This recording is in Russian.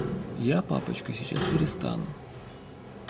Я, папочка, сейчас перестану.